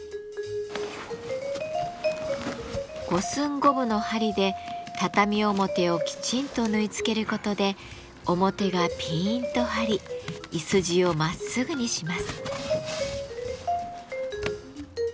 五寸五分の針で畳表をきちんと縫い付けることで表がピンと張りいすじをまっすぐにします。